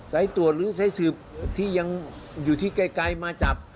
สายตรวจหรือสายสืบที่ยังอยู่ที่ไกลมาจับ